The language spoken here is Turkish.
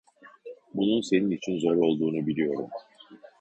Bunun senin için zor olduğunu biliyorum.